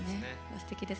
すてきです。